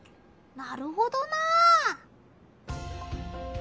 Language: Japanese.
なるほどなあ。